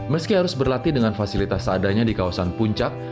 meski harus berlatih dengan fasilitas seadanya di kawasan puncak